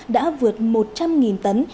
đã vượt một trăm linh tấn